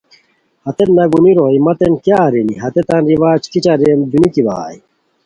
ہیت ناگونی روئے، متین کیاغ رینی، ہیتان رواج کیچہ رے دُونیکی بغائے